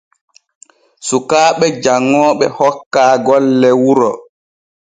Sukaaɓe janŋooɓe hokkaa golle wuro.